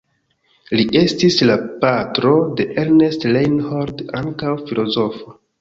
Li estis la patro de Ernst Reinhold, ankaŭ filozofo.